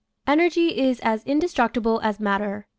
Energy is as indestructible as matter.